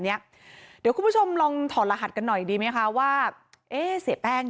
เนี้ยเดี๋ยวคุณผู้ชมลองถอดรหัสกันหน่อยดีไหมคะว่าเอ๊ะเสียแป้ง